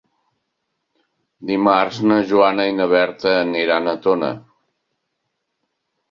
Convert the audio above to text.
Dimarts na Joana i na Berta aniran a Tona.